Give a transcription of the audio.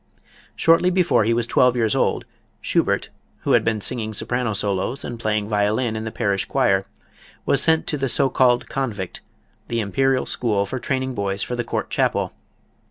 Shortly before he was twelve years old, Schubert, who had been singing soprano solos and playing violin in the parish choir, was sent to the so called Convict, the Imperial school for training boys for the Court chapel.